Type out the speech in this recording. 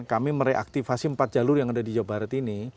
kami mereaktivasi empat jalur yang ada di jawa barat ini